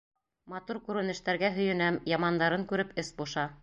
Матур күренештәргә һөйөнәм, ямандарын күреп, эс боша.